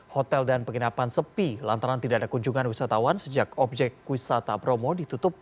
hotel dan penginapan sepi lantaran tidak ada kunjungan wisatawan sejak objek wisata bromo ditutup